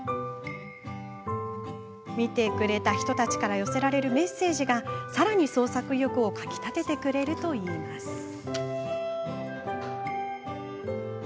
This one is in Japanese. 見てくれた人たちから寄せられるメッセージがさらに創作意欲をかきたててくれるといいます。